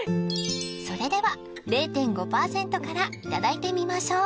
それでは０．５％からいただいてみましょう！